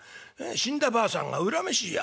死んだばあさんが恨めしいや